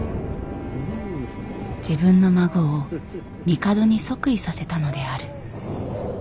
自分の孫を帝に即位させたのである。